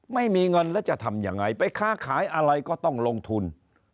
ไม่มีเงินแล้วจะทำยังไงไปค้าขายอะไรก็ต้องลงทุน